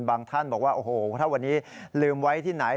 ท่านบอกว่าโอ้โหถ้าวันนี้ลืมไว้ที่ไหน